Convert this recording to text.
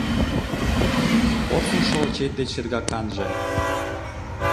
Порсын шовычет деч шергаканже